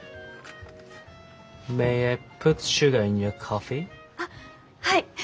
あっはい。